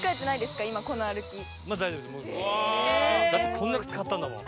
だってこんな靴買ったんだもん。